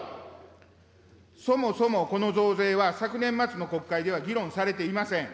そもそもこの増税は昨年末の国会では議論されていません。